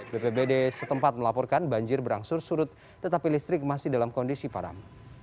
bpbd setempat melaporkan banjir berangsur surut tetapi listrik masih dalam kondisi param